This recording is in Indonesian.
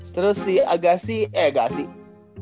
terus si agasi eh gak sih